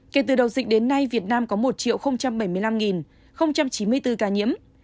kể từ đầu dịch đến nay việt nam có một bảy mươi năm chín mươi bốn ca nhiễm